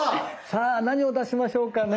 さあ何を出しましょうかね。